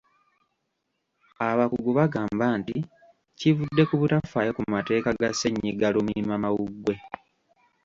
Abakugu bagamba nti kivudde ku butafaayo ku mateeka ga ssennyiga lumiimamawuggwe.